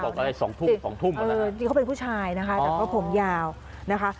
ตรงอะไร๒ทุ่ม๒ทุ่มเหรอคะอืมนี่เขาเป็นผู้ชายนะคะแต่ก็ผมเยานะคะ